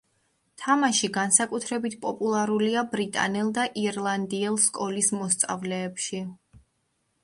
თამაში განსაკუთრებით პოპულარულია ბრიტანელ და ირლანდიელ სკოლის მოსწავლეებში.